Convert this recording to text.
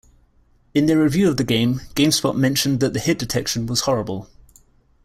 In their review of the game, GameSpot mentioned that the hit detection was horrible.